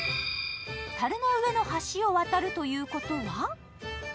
たるの上の橋を渡るということは？